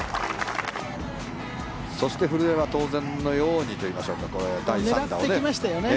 そして古江は当然のようにといいましょうか狙ってきましたね。